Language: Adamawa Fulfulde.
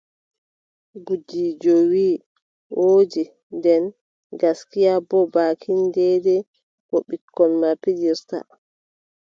Gudiijo wii : woodi, nden gaskiya boo baakin deydey ko ɓikkon am pijiirta.